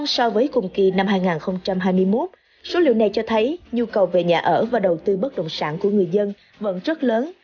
so với cùng kỳ năm hai nghìn hai mươi một số liệu này cho thấy nhu cầu về nhà ở và đầu tư bất động sản của người dân vẫn rất lớn